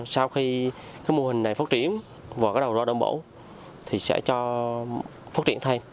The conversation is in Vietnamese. sau khi cái mô hình này phát triển vào cái đầu ra đông bổ thì sẽ cho phát triển thêm